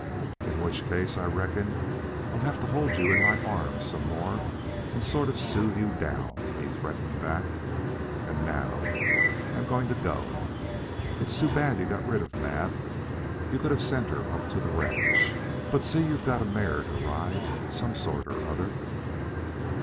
"In which case I reckon I'd have to hold you in my arms some more and sort of soothe you down," he threatened back. "And now I'm going to go. It's too bad you got rid of Mab. You could have sent her up to the ranch. But see you've got a mare to ride of some sort or other."